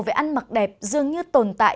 về ăn mặc đẹp dương như tồn tại